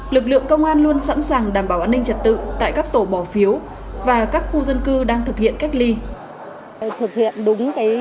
lực lượng công an luôn sẵn sàng đảm bảo an ninh trật tự tại các tổ bỏ phiếu và các khu dân cư đang thực hiện cách ly